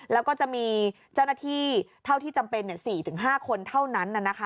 แล้วก็จะมีเจ้าหน้าที่เท่าที่จำเป็น๔๕คนเท่านั้น